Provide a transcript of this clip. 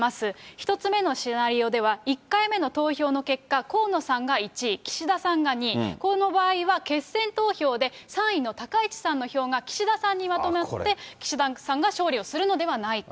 １つ目のシナリオでは、１回目の投票の結果、河野さんが１位、岸田さんが２位、この場合は決選投票で、３位の高市さんの票が岸田さんにまとまって、岸田さんが勝利をするのではないか。